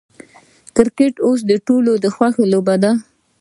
کرکټ اوس د ټولو د خوښې لوبه ده.